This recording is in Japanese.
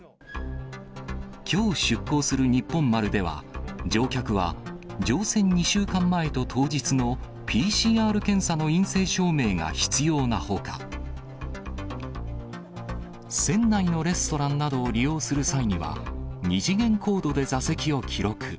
きょう出港するにっぽん丸では、乗客は乗船２週間前と当日のＰＣＲ検査の陰性証明が必要なほか、船内のレストランなどを利用する際は、２次元コードで座席を記録。